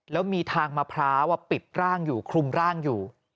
แล้วมีทางมะพร้าวปิดร่างอยู่คลุมร่างอยู่